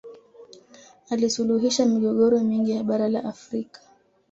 alisuluhisha migogoro mingi ya bara la afrika